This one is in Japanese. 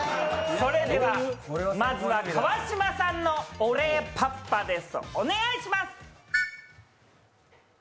それでは、まずは川島さんのお礼パッパです。